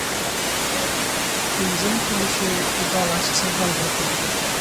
তিনজন পুলিশের একটি দল আসছে গল্প করতে করতে।